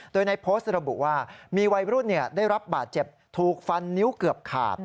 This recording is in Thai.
โดยในโพสต์ระบุว่ามีวัยรุ่นได้รับบาดเจ็บถูกฟันนิ้วเกือบขาด